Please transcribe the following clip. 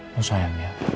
tuh sayang ya